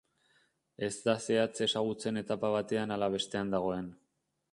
Ez da zehatz ezagutzen etapa batean ala bestean dagoen.